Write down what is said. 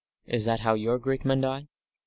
Is that how your great men die?"